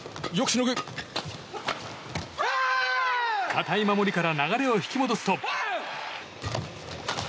堅い守りから流れを引き戻すと。